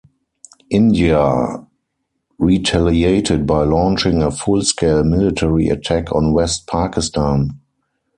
India retaliated by launching a full-scale military attack on West Pakistan.